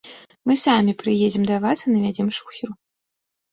Мы самі прыедзем да вас і навядзем шухеру!